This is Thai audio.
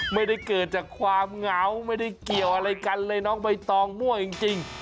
ไม่ได้เกิดจากความเหงาไม่ได้เกี่ยวอะไรกันเลยน้องใบตองมั่วจริง